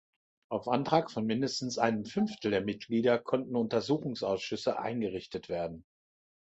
Auf Antrag von mindestens einem Fünftel der Mitglieder konnten Untersuchungsausschüsse eingerichtet werden.